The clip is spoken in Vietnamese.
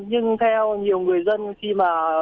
nhưng theo nhiều người dân khi mà